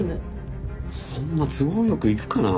そんな都合良くいくかな？